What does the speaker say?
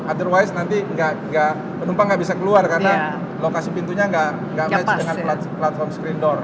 otherwise nanti penumpang nggak bisa keluar karena lokasi pintunya nggak match dengan platform screen door